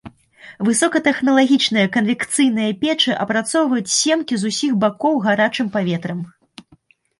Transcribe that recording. Высокатэхналагічныя канвекцыйныя печы апрацоўваюць семкі з усіх бакоў гарачым паветрам.